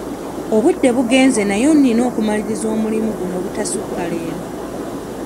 Obudde bugenze naye nnina okumaliriza omulimu guno obutasukka leero.